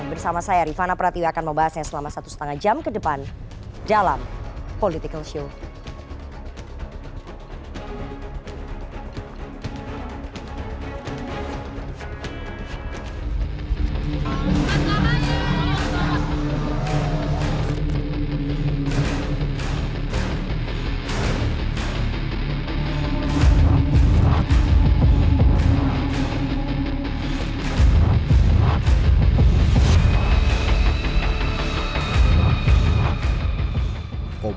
bersama saya rifana prati akan membahasnya selama satu lima jam ke depan dalam political show